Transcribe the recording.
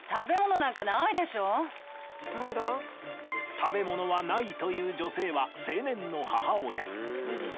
食べ物はないという女性は青年の母親。